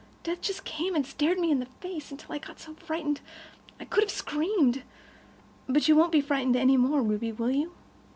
Death just came and stared me in the face, until I got so frightened I could have screamed. "But you won't be frightened any more, Ruby, will you?